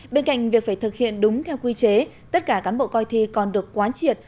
bên cạnh việc phải thực hiện đúng theo quy chế tất cả cán bộ coi thi còn được quán triệt